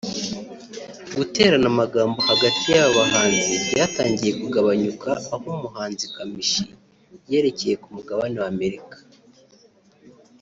guterana amagambo hagati y’aba bahanzi byatangiye kugabanyuka aho umuhanzi Kamichi yerekeye ku mugabane wa Amerika